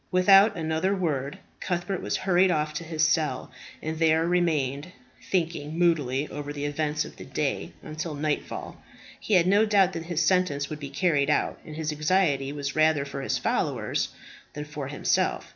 Without another word Cuthbert was hurried off to his cell, and there remained, thinking moodily over the events of the day, until nightfall. He had no doubt that his sentence would be carried out, and his anxiety was rather for his followers than for himself.